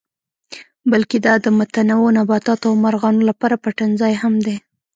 بلکې دا د متنوع نباتاتو او مارغانو لپاره پټنځای هم دی.